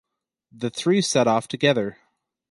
The three set off together.